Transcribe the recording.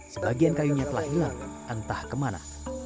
sebagian kayunya telah hilang entah kemana